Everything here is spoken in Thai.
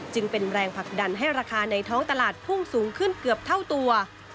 จึงเป็นแรงผลักดันให้ราคาในท้องตลาดพุ่งสูงขึ้นเกือบเท่าตัว